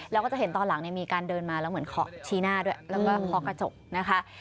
แล้วก็จะเห็นตอนหลังมีการเดินมาแล้วเหมือนเคาะชี้หน้าด้วยแล้วก็เคาะกระจกนะคะ